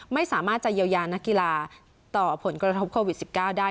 ไม่สามารถจะเยียวยานักกีฬาต่อผลกระทบโควิด๑๙ได้